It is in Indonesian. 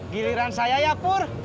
giliran saya ya pur